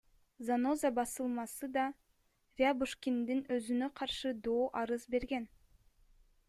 Заноза басылмасы да Рябушкиндин өзүнө каршы доо арыз берген.